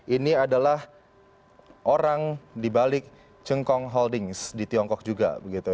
ini adalah orang di balik chengkong holdings di tiongkok juga